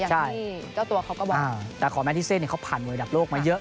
อย่างที่เจ้าตัวเขาก็บอกอ่าแต่ขอแม้ที่เซ่นเนี่ยเขาผ่านมวยดับโลกมาเยอะ